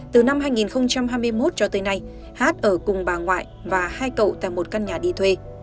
từ năm hai nghìn hai mươi một cho tới nay hát ở cùng bà ngoại và hai cậu tại một căn nhà đi thuê